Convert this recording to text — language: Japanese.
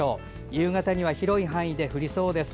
夕方には広い範囲で降りそうです。